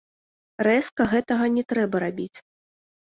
Рэзка гэтага не трэба рабіць.